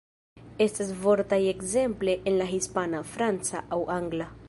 Estas vortaroj ekzemple en la Hispana, Franca aŭ Angla.